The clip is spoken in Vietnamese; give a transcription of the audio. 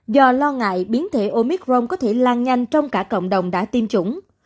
do lo ngại biến thể omicron có thể lan nhanh trong cả cộng đồng đã tiêm chủng